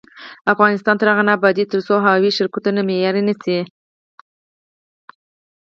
افغانستان تر هغو نه ابادیږي، ترڅو هوايي شرکتونه معیاري نشي.